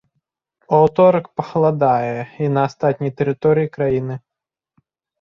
У аўторак пахаладае і на астатняй тэрыторыі краіны.